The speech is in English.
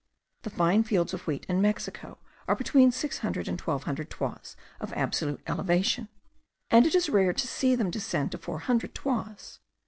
The fine fields of wheat in Mexico are between six hundred and twelve hundred toises of absolute elevation; and it is rare to see them descend to four hundred toises.